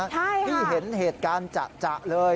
ใช่ค่ะที่เห็นเหตุการณ์จะเลย